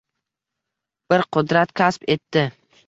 Bir qudrat kasb etdi.